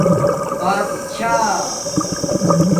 بادتشاہ